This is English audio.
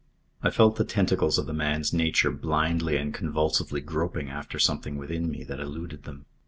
I felt the tentacles of the man's nature blindly and convulsively groping after something within me that eluded them.